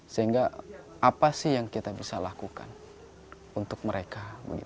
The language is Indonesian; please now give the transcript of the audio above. sehingga apa sih yang kita bisa lakukan untuk mereka